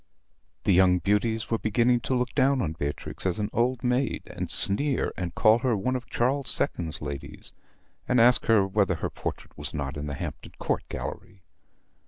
The young beauties were beginning to look down on Beatrix as an old maid, and sneer, and call her one of Charles II.'s ladies, and ask whether her portrait was not in the Hampton Court Gallery?